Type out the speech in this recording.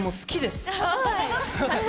すみません。